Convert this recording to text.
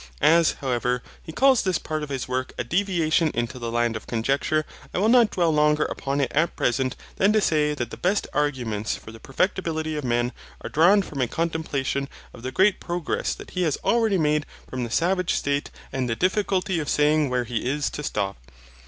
As, however, he calls this part of his work a deviation into the land of conjecture, I will not dwell longer upon it at present than to say that the best arguments for the perfectibility of man are drawn from a contemplation of the great progress that he has already made from the savage state and the difficulty of saying where he is to stop.